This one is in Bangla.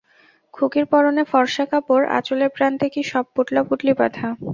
খুকির পরনে ফরসা কাপড়, আঁচলের প্রান্তে কি সব পোটলা-পুটলি বাঁধা।